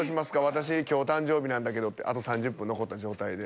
「私今日誕生日なんだけど」ってあと３０分残った状態で。